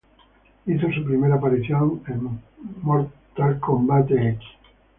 Hizo su primera aparición en "Mortal Kombat X".